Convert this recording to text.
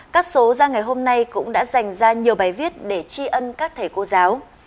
các số ra ngày hôm nay cũng đã dành ra nhiều bài viết để tri ân các thầy cô giáo